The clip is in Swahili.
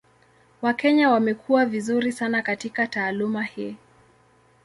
Wakenya wamekuwa vizuri sana katika taaluma hii.